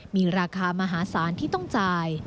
มีราคามหาศาลที่ต้องจ่าย